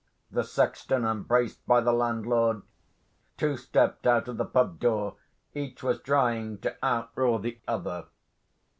The sexton, embraced by the landlord, two stepped out of the pub door. Each was trying to outroar the other.